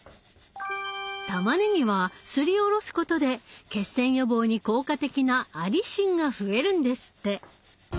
玉ねぎはすりおろすことで血栓予防に効果的なアリシンが増えるんですって。